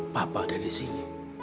papa ada disini